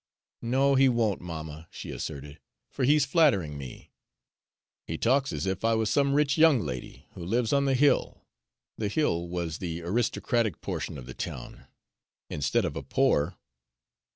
"No, he won't, mamma," she asserted, "for he's flattering me. He talks as if I was some rich young lady, who lives on the Hill," the Hill was the aristocratic portion of the town, "instead of a poor."